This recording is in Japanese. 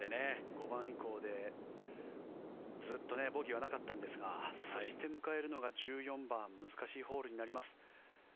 ５番以降でずっとボギーはなかったんですがそして迎えるのが１４番難しいホールになります。